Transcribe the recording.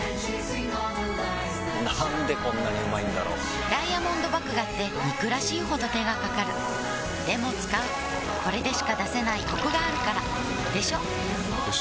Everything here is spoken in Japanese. なんでこんなにうまいんだろうダイヤモンド麦芽って憎らしいほど手がかかるでも使うこれでしか出せないコクがあるからでしょよ